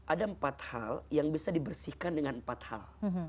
ada empat hal yang bisa dibersihkan dengan empat hal